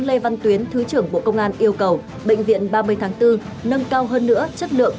lê văn tuyến thứ trưởng bộ công an yêu cầu bệnh viện ba mươi tháng bốn nâng cao hơn nữa chất lượng